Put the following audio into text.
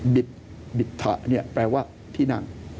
บิตบิตถะแปลว่าที่นั่ง